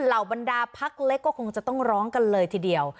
เหล่าบรรดาพักเล็กก็คงจะต้องร้องกันเลยทีเดียว